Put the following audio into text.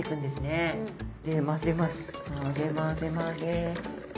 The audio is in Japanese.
混ぜ混ぜ混ぜ。